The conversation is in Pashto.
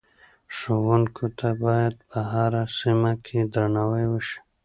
ښوونکو ته باید په هره سیمه کې درناوی وشي.